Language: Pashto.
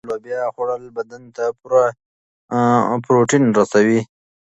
د نخودو او لوبیا خوړل بدن ته پوره پروټین رسوي.